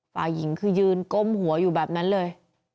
ฝ่ายหญิงคือยืนก้มหัวอยู่แบบนั้นเลย